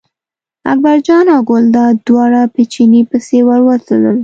اکبرجان او ګلداد دواړه په چیني پسې ور ووتل.